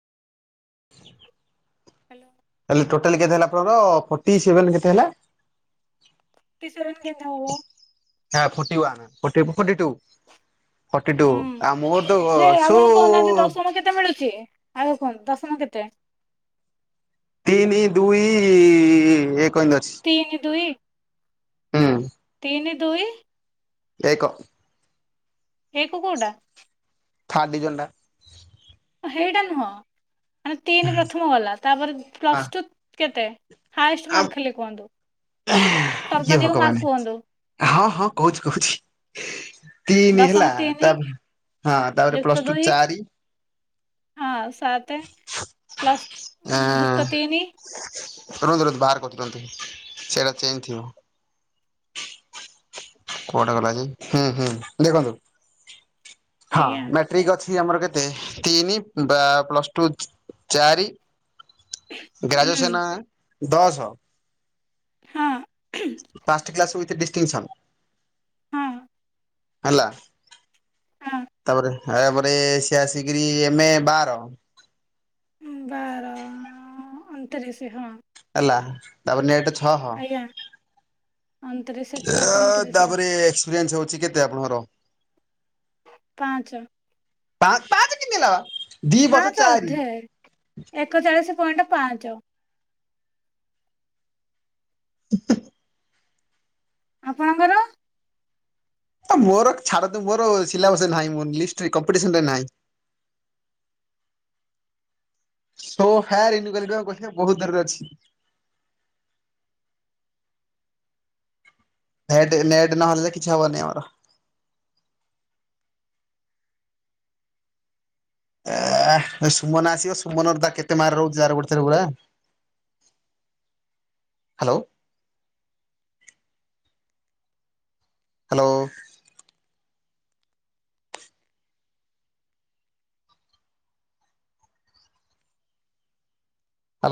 Hello. ତାଲେ total କେତେ ହେଲା ଆପଣର ଫୋର୍ଟି ସେଭେନ କେତେ ହେଲା। ଫଟି ସେଭେନ କେମିତି ହବ? ନାଁ forty one forty forty two. Forty two ହୁଁ ଆ ମୋର ତ ଘ ସୋ। ତ କେତେ ମିଳୁଛି। ଆଉ କୁହନ୍ତୁ ଦଶମ କେତେ? ତିନି ଦୁଇ ଏକ ଏମିତି ଅଛି। ତିନି ଦୁଇ। ହୁଁ। ତିନି ଦୁଇ ଏକ। ଏକ କଉଟା। ଥିର୍ଡ ଡିଭିଜନ ଟା। ହେଇଟା ନୁହଁ ମାନେ ତିନି ପ୍ରଥମ ଗଲା ତାପରେ ପ୍ଲସ୍ ହଁ ଟୁ କେତେ? ହାଏଷ୍ଟ ଆଉ ମାର୍କ ଖାଲି କୁହନ୍ତୁ ଇଏ ସର୍ବଧିକ ଭଗବାନ ମାର୍କ କୁହନ୍ତୁ। ହଁ ହଁ କହୁଛି କହୁଛି। ତିନି ଦଶମ ହେଲା ତିନି ତା ହଁ ତାପରେ ଯୁକ୍ତ ପ୍ଲସ୍ ଟୁ ଦୁଇ ଚାରି। ହଁ ସାତେ ପ୍ଲସ୍ ଜୁକ୍ତ ତିନି। ରୁହନ୍ତୁ ରୁହନ୍ତୁ ବାହାର କରୁଛି ରୁହନ୍ତୁ ସେଟା ଚେଇଁ ଥିବ। କୁଆଡ଼େ ଗଲା ଯେ ହୁଁ ହୁଁ ଦେଖନ୍ତୁ ହଁ ଆଜ୍ଞା ମେଟ୍ ଠିକ ଅଛି ଆମର କେତେ ତିନି ବା ପ୍ଲସ ଟୁ ଚା ଚାରି। ଉଁ ଗ୍ରାଜୁଏସନା ଦଶ। ହଁ। ପାଞ କ୍ଲାସ ଉୱଥ ଡିଷ୍ଟିଂସନ ହଁ। ହେଲା ହଁ ତାପରେ ତାପରେ ସେ ଆସିକିରି ଏମେ ବାର। ବାର ଅଣତିରିଶୀ ହଁ। ହେଲା। ତାପରେ ନେଟ ଛହ ଏ ଆଜ୍ଞା ଅଣତିରିଶ ଛଅ ପଇଁତିରିଶ ତାପରେ। ଏକ୍ପପିରିଏନ୍ସ ହଉଛି କେତେ ଆପଣଙ୍କ ର? ପାଞ୍ଚ। ପା-ପାଞ୍ଚ କିନ ହେଲା। ଦି ବର୍ଷ ପାଞ୍ଚ ଚାରି ଅଧେ ଏକଚାଳିଶ ପଏଣ୍ଟ ପାଞ୍ଚ। ଉଁ ହୁଁ ହୁଁ ଆପଣଙ୍କର। ତା ମୋର ଛାଡ ତ ମୋର ସିଲାବସ ନାହିଁ ମୋ ଲିଷ୍ଟ କମ୍ପିଡ଼ିସନ ରେ ନାହିଁ। ସବୁ ହାୟାର ଇନିକ୍ୱାଲିଟିର କୋଷ୍ଚିନ ବହୁତ [unintelligible] ଅଛି। ନେଟ ନେଟ ନହେଲେ କିଛି ହବନି ଆମର। ଏ ସୁମନ ଆସିବ ସୁମନ ତା କେତେ ମାର୍କ ରହୁଛି ତାର ଗୋଟେ ଥର [unintelligible] ହାଲୋ। ହାଲୋ।